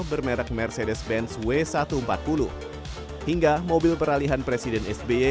bermerek mercedes benz w satu ratus empat puluh hingga mobil peralihan presiden sby